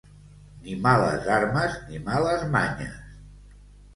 Ni males armes, ni males manyes.